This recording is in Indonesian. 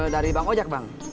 dari bang ojak bang